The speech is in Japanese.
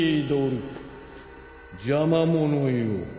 邪魔者よ